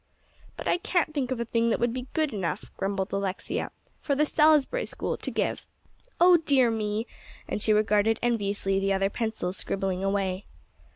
"But I can't think of a thing that would be good enough," grumbled Alexia, "for the Salisbury School to give. Oh dear me!" and she regarded enviously the other pencils scribbling away.